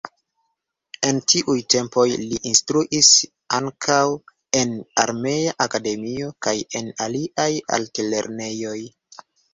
En tiuj tempoj li instruis ankaŭ en armea akademio kaj en aliaj altlernejoj.